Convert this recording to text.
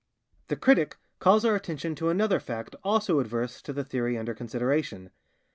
The critic calls our attention to another fact also adverse to the theory under consideration.